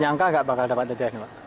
nyangka gak bakal dapat dadaan pak